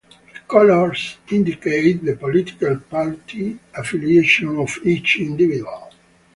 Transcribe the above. The colors indicate the political party affiliation of each individual.